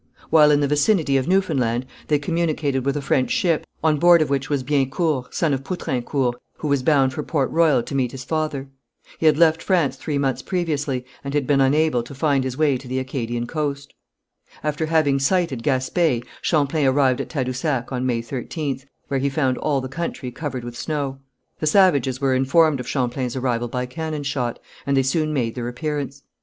While in the vicinity of Newfoundland, they communicated with a French ship, on board of which was Biencourt, son of Poutrincourt, who was bound for Port Royal to meet his father. He had left France three months previously, and had been unable to find his way to the Acadian coast. After having sighted Gaspé, Champlain arrived at Tadousac on May 13th, where he found all the country covered with snow. The savages were informed of Champlain's arrival by cannon shot, and they soon made their appearance.